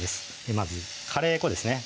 まずカレー粉ですね